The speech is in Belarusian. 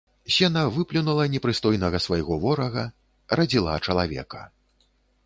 Сена выплюнула непрыстойнага свайго ворага, радзіла чалавека.